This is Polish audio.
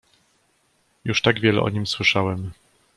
"Już tak wiele o nim słyszałem."